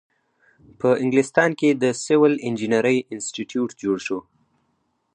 په انګلستان کې د سیول انجینری انسټیټیوټ جوړ شو.